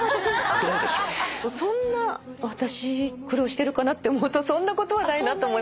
そんな私苦労してるかな？って思うとそんなことはないなと思いますけど。